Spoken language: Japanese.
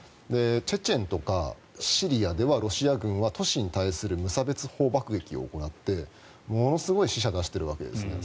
チェチェンとかシリアではロシア軍は都市に対する無差別砲爆撃を行ってものすごい死者を出しているわけです。